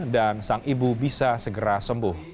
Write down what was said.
sang ibu bisa segera sembuh